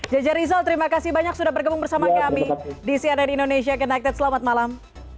jajar rizal terima kasih banyak sudah bergabung bersama kami di cnn indonesia connected selamat malam